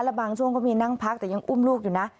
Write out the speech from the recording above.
และบางช่วงก็มีนั่งพักแต่ยังอุ้มลูกอยู่นะ